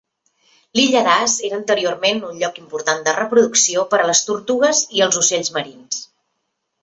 L'illa Das era anteriorment un lloc important de reproducció per a les tortugues i els ocells marins.